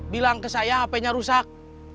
bilang ke saya hp nya rusak